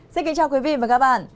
xin kính chào quý vị và các bạn